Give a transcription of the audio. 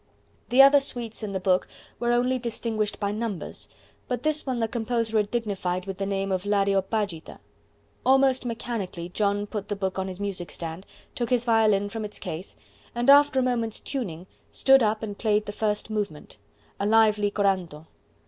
The other suites in the book were only distinguished by numbers, but this one the composer had dignified with the name of "l'Areopagita." Almost mechanically John put the book on his music stand, took his violin from its case, and after a moment's tuning stood up and played the first movement, a lively Coranto.